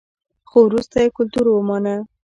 خو وروسته یې کلتور ومانه